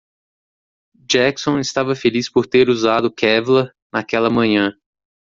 Jackson estava feliz por ter usado Kevlar naquela manhã.